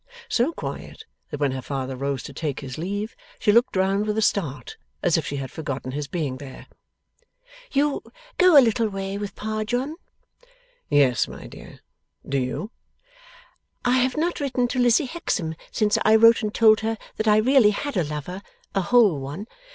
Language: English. So quiet, that when her father rose to take his leave, she looked round with a start, as if she had forgotten his being there. 'You go a little way with Pa, John?' 'Yes, my dear. Do you?' 'I have not written to Lizzie Hexam since I wrote and told her that I really had a lover a whole one.